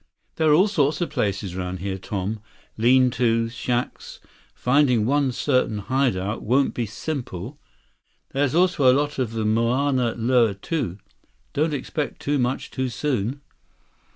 "There are all sorts of places around here, Tom. Lean tos, shacks. Finding one certain hideout won't be simple. There's also a lot of the Mauna Loa, too. Don't expect too much too soon."